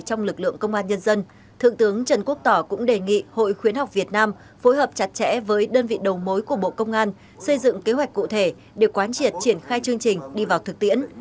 trong lực lượng công an nhân dân thượng tướng trần quốc tỏ cũng đề nghị hội khuyến học việt nam phối hợp chặt chẽ với đơn vị đầu mối của bộ công an xây dựng kế hoạch cụ thể để quán triệt triển khai chương trình đi vào thực tiễn